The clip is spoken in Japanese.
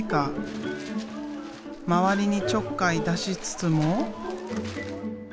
周りにちょっかい出しつつも。